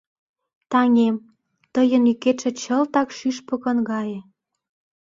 Таҥем, тыйын йӱкетше чылтак шӱшпыкын гае.